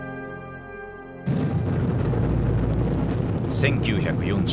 １９４５年。